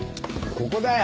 ここだよ！